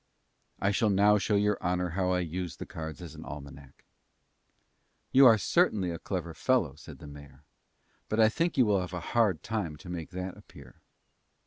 "I shall now show your honour how I use the cards as an Almanack." "You certainly are a clever fellow," said the mayor, "but I think you will have a hard matter to make that appear."